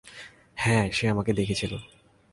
হ্যাঁ, সে আমাকে দেখেছিল।